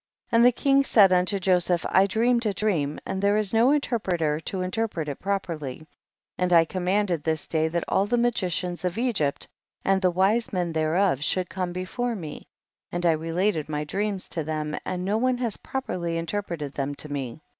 49. And the king said unto Joseph, T dreamed a dream, and there is no interpreter to interpret it properly, and I commanded this day that all the magicians of Egypt and the wise men thereof, should come before me, and I related my dreams to them, and no one has properly interpreted them to me.